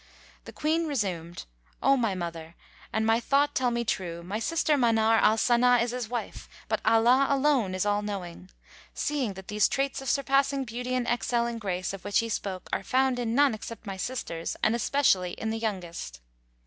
The Queen resumed, "O my mother, an my thought tell me true, my sister Manar al Sana is his wife, but Allah alone is All knowing! seeing that these traits of surpassing beauty and excelling grace, of which he spoke, are found in none except my sisters and especially in the youngest."